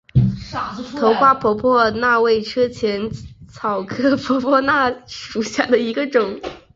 头花婆婆纳为车前草科婆婆纳属下的一个种。